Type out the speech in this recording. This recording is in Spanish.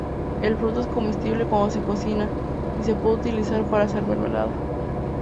El fruto es comestible cuando se cocina, y se puede utilizar para hacer mermelada.